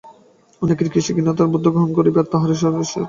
অনেকের কৃষ্টি অতি হীন হইলেও বৌদ্ধধর্ম গ্রহণ করিয়া তাহারা বেশ সদাচারপরায়ণ হইল।